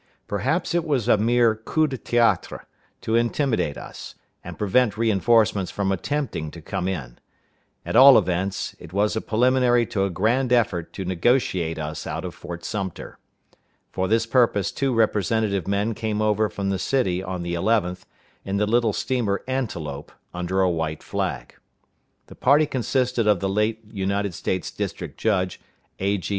Perhaps it was a mere coup de théâtre, to intimidate us, and prevent re enforcements from attempting to come in; at all events, it was a preliminary to a grand effort to negotiate us out of Fort Sumter. For this purpose two representative men came over from the city on the 11th, in the little steamer Antelope, under a white flag. The party consisted of the late United States district judge, A.G.